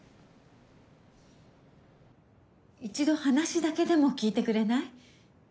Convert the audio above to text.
１度話だけでも聞いてくれない？